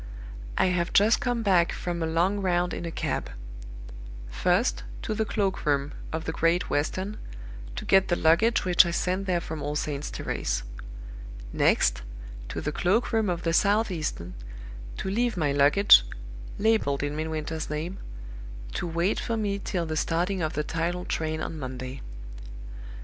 "I have just come back from a long round in a cab. First, to the cloak room of the Great Western, to get the luggage which I sent there from All Saints' Terrace. Next, to the cloak room of the Southeastern, to leave my luggage (labeled in Midwinter's name), to wait for me till the starting of the tidal train on Monday.